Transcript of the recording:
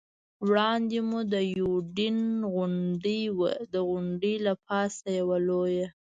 وړاندې مو د یوډین غونډۍ وه، د غونډۍ له پاسه یوه لویه.